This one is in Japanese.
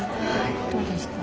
はい。